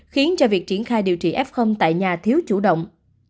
khiến cho việc triển khai điều trị f tại nhà thiếu chủ động